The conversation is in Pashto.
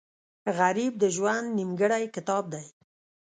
غریب د ژوند نیمګړی کتاب دی